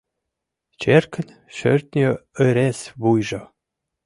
Черкын шӧртньӧ ырес вуйжо.